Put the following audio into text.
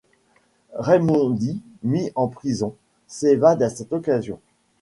Raimondi, mis en prison, s'évade à cette occasion.